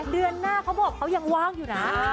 เดือนหน้าเขาบอกเขายังว่างอยู่นะ